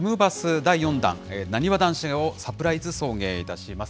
第４弾、なにわ男子をサプライズ送迎いたします。